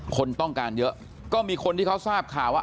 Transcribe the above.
คนต้องการเยอะก็มีคนที่เขาทราบข่าวว่า